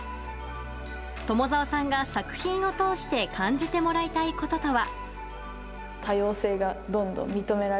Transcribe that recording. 友沢さんが作品を通して感じてもらいたいこととは。